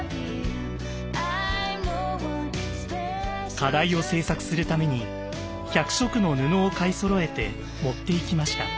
課題を制作するために１００色の布を買いそろえて持って行きました。